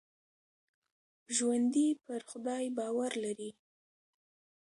ژوندي پر خدای باور لري